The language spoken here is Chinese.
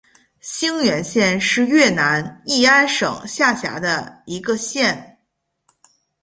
兴元县是越南乂安省下辖的一个县。